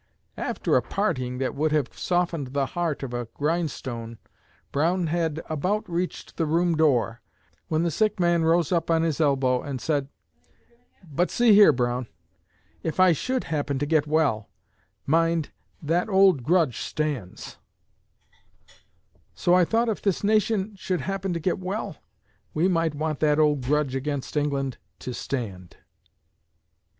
After a parting that would have softened the heart of a grindstone, Brown had about reached the room door, when the sick man rose up on his elbow and said, 'But, see here, Brown, if I should happen to get well, mind that old grudge stands!' So I thought if this nation should happen to get well, we might want that old grudge against England to stand."